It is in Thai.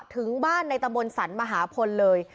ถึงบ้านในตะบนสรรมหาพลเลย